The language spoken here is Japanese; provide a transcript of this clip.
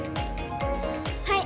はい。